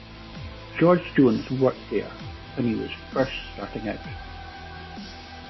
George Jones worked there when he was first starting out.